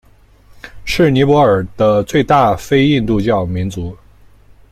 是尼泊尔的最大非印度教民族。